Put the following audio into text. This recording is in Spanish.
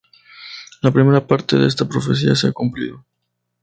La primera parte de esta profecía se ha cumplido.